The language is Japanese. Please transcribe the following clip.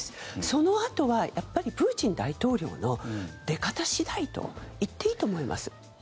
そのあとはプーチン大統領の出方次第と言っていいと思います。